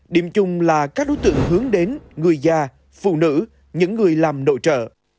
điểm chung là các đối tượng hướng đến người già phụ nữ những người làm nội trợ